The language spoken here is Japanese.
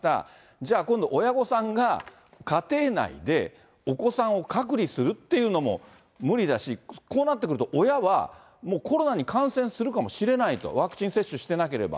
じゃあ、今度、親御さんが家庭内でお子さんを隔離するっていうのも無理だし、こうなってくると、親はもう、コロナに感染するかもしれないと、ワクチン接種してなければ。